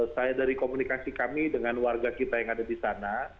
saya dari komunikasi kami dengan warga kita yang ada di sana